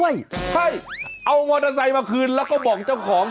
ไม่ใช่เอามอเตอร์ไซค์มาคืนแล้วก็บอกเจ้าของ